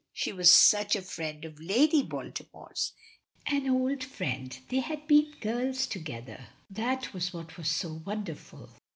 she was such a friend of Lady Baltimore's an old friend. They had been girls together that was what was so wonderful!